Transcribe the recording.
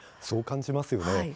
そう感じますよね。